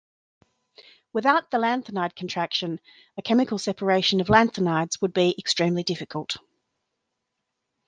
Without the lanthanide contraction, a chemical separation of lanthanides would be extremely difficult.